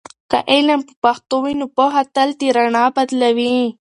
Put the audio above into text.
که علم په پښتو وي، نو پوهه تل د رڼا بدلوي.